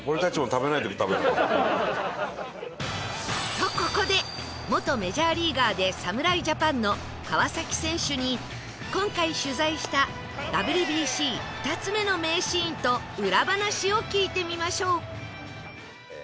とここで元メジャーリーガーで侍ジャパンの川選手に今回取材した ＷＢＣ２ つ目の名シーンと裏話を聞いてみましょう